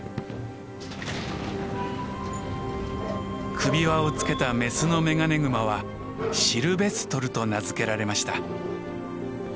首輪を付けたメスのメガネグマはシルベストルと名付けられました。